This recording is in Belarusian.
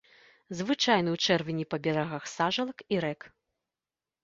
Звычайны ў чэрвені па берагах сажалак і рэк.